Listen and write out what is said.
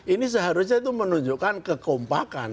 ini seharusnya itu menunjukkan kekompakan